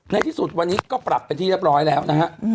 ในที่สุดวันนี้ก็ปรับเป็นที่เรียบร้อยแล้วนะฮะ